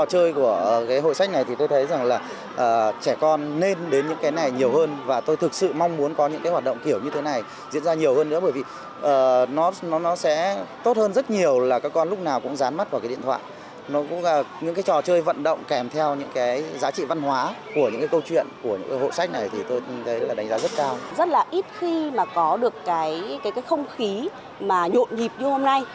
rất là ít khi mà có được cái không khí mà nhộn nhịp như hôm nay